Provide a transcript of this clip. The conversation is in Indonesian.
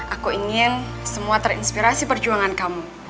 aku ingin semua terinspirasi perjuangan kamu